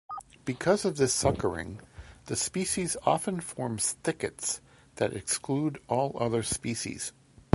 Because of this suckering, the species often forms thickets that exclude all other species.